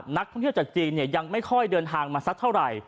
นักท่องเที่ยวจากจีนยังไม่ค่อยเดินทางมาสักเท่าไหร่